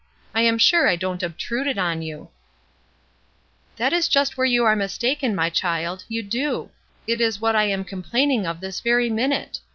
I am sure I don't obtrude it on you/' "That is just where you are mistaken, my child, you do; it is what I am complaining of this very minute.